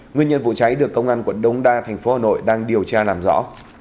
nguyên nhân vụ cháy được công an quận đông đa thành phố hà nội đang điều tra làm rõ